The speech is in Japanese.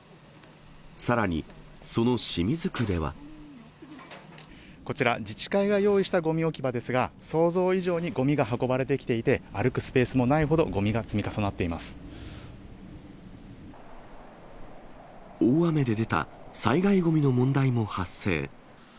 さらに、こちら、自治会が用意したごみ置き場ですが、想像以上にごみが運ばれてきていて、歩くスペースもないほど、大雨で出た災害ごみの問題も発生。